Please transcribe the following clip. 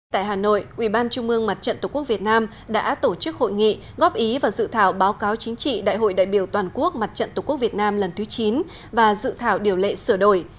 tại hà nội ủy ban trung mương mặt trận tổ quốc việt nam đã tổ chức hội nghị góp ý và dự thảo báo cáo chính trị đại hội đại biểu toàn quốc mặt trận tổ quốc việt nam lần thứ chín và dự thảo điều lệ sửa đổi